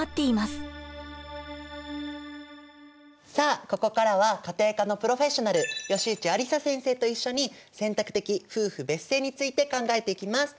さあここからは家庭科のプロフェッショナル葭内ありさ先生と一緒に選択的夫婦別姓について考えていきます。